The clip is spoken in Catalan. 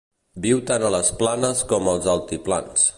Viu tant a les planes com als altiplans.